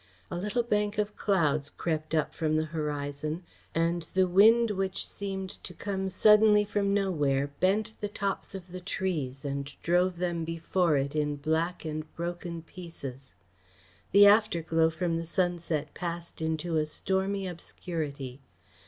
A little bank of clouds crept up from the horizon, and the wind which seemed to come suddenly from nowhere bent the tops of the trees and drove them before it in black and broken pieces. The afterglow from the sunset passed into a stormy obscurity.